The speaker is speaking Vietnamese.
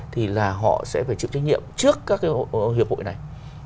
thì là họ sẽ phải chịu trách nhiệm trước các cái hiệp hội này